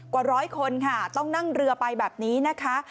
กว่าร้อยคนค่ะต้องนั่งเรือไปแบบนี้นะคะ